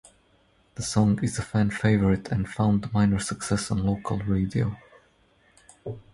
The song is a fan favourite and found minor success on local radio.